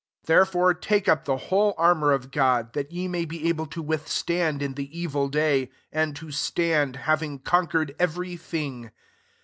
13 Therefore take up the ihole armour of God, that ye nay be able to withstand in tlie evil day,' and to stand, hav Qg conquered every thing.